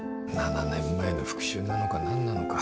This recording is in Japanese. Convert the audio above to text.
７年前の復讐なのか何なのか。